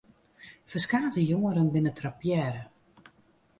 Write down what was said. Ferskate jongeren binne trappearre.